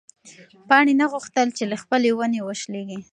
پاڼې نه غوښتل چې له خپلې ونې وشلېږي.